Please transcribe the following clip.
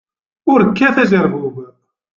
Ur kkat ajerbub.